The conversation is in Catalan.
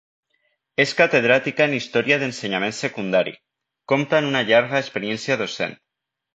És catedràtica en història d’ensenyament secundari, compta amb una llarga experiència docent.